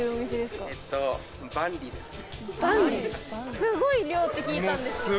すごい量って聞いたんですよ。